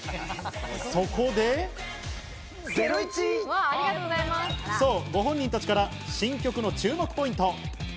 そこで、ご本人たちから新曲の注目ポイント！